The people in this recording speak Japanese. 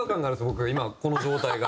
僕今この状態が。